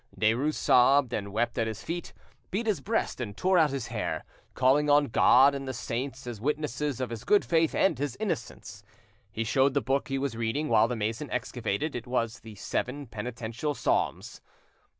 Derues sobbed and wept at his feet, beat his breast and tore out his hair, calling on God and the saints as witnesses of his good faith and his innocence. He showed the book he was reading while the mason excavated: it was the Seven Penitential Psalms.